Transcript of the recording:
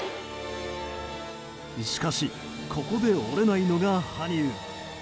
しかし、ここで折れないのが羽生。